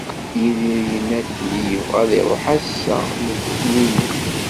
Yidir yenna-d belli yebɣa ad iruḥ ass n letniyen.